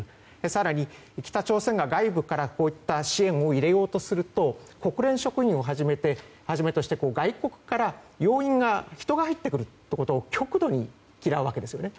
更に、北朝鮮が外部からこういった支援を入れようとすると国連職員をはじめとして外国から人が入ってくることを極度に嫌うわけですよね。